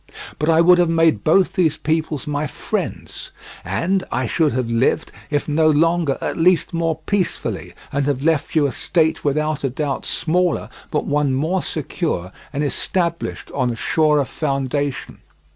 But I would have made both these peoples my friends, and I should have lived, if no longer, at least more peacefully, and have left you a state without a doubt smaller, but one more secure and established on a surer foundation.